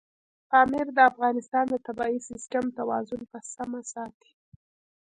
پامیر د افغانستان د طبعي سیسټم توازن په سمه ساتي.